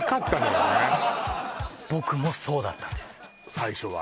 僕もそうだったんです最初は？